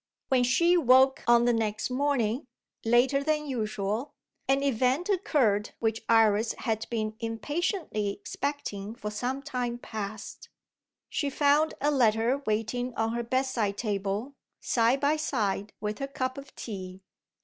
When she woke on the next morning, later than usual, an event occurred which Iris had been impatiently expecting for some time past. She found a letter waiting on her bedside table, side by side with her cup of tea.